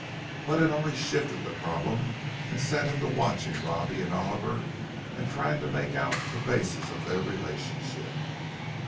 But it only shifted the problem and set him to watching Robbie and Oliver, and trying to make out the basis of their relationship.